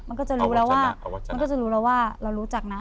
มันก็จะรู้แล้วว่ามันก็จะรู้แล้วว่าเรารู้จักนะ